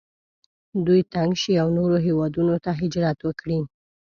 دوی تنګ شي او نورو هیوادونو ته هجرت وکړي.